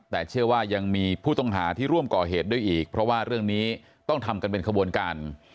แต่เชื่อว่ายังมีผู้ต้องหาที่ร่วมก่อเหตุด้วยอีกเพราะว่าเรื่องนี้ต้องทำกันเป็นขบวนการ